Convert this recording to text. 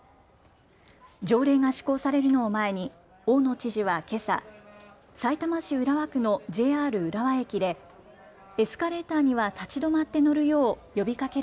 条例が施行されるのを前に大野知事はけさ、さいたま市浦和区のＪＲ浦和駅でエスカレーターには立ち止まって乗るよう呼びかける